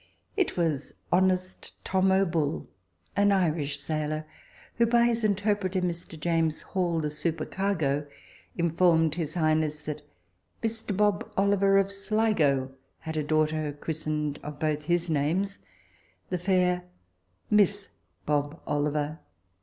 It was honest Tom O'Bull, an Irish sailor, who by his interpreter Mr. James Hall, the supercargo, informed his highness that Mr. Bob Oliver of Sligo had a daughter christened of both his names, the fair miss Bob Oliver.